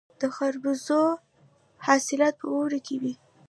د خربوزو حاصلات په اوړي کې وي.